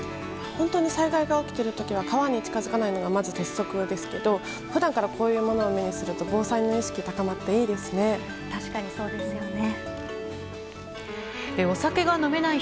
本当に災害が起きている時は川に近づかないのがまず鉄則ですけど普段からこういうものを目にすると確かにそうですね。